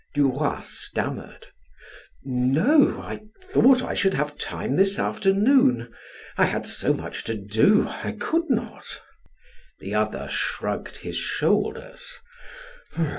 Duroy stammered: "No, I thought I should have time this afternoon. I had so much to do I could not." The other shrugged his shoulders.